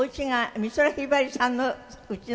美空ひばりさんの家が？